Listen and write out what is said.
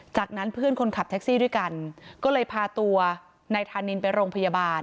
จากนั้นเพื่อนคนขับแท็กซี่ด้วยกันก็เลยพาตัวนายธานินไปโรงพยาบาล